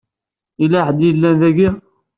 Yella ḥedd i yellan daki.